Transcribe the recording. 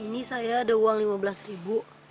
ini saya ada uang rp lima belas